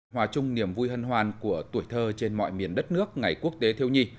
hòa chung niềm vui hân hoàn của tuổi thơ trên mọi miền đất nước ngày quốc tế thiêu nhi